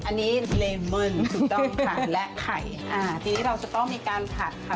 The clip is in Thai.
อันนี้เลเมินถูกต้องค่ะและไข่อ่าทีนี้เราจะต้องมีการผัดค่ะ